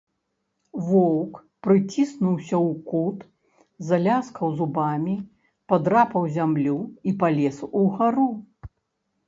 Воўк прыціснуўся ў кут, заляскаў зубамі, падрапаў зямлю і палез угару.